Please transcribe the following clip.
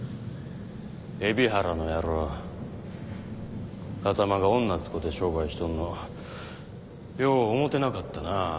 海老原の野郎風間が女使て商売しとんのよう思うてなかったなぁ。